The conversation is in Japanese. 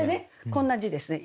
こんな字ですね